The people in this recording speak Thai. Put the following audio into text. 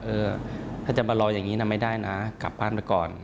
เออถ้าจะมารออย่างนี้นะไม่ได้นะกลับบ้านไปก่อน